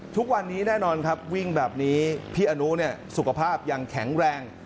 ทุกวันนี้แน่นอนครับวิ่งแบบนี้พี่อนุสุขภาพยังแข็งแรง